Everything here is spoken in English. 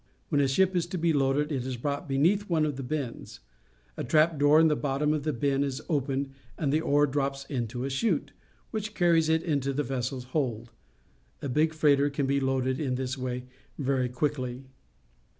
When a ship is to be loaded, it is brought beneath one of the bins. A trap door in the bottom of the bin is opened, and the ore drops into a chute, which carries it into the vessel's hold. A big freighter can be loaded in this way verj quickly.